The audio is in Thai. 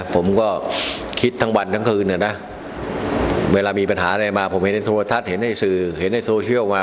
ผมก็คิดทั้งวันทั้งคืนนะเวลามีปัญหาอะไรมาผมเห็นในโทรทัศน์เห็นในสื่อเห็นในโซเชียลมา